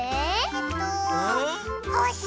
えっとほし！